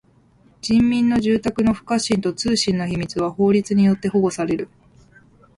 人民の住宅の不可侵と通信の秘密は法律によって保護される。